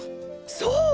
そう！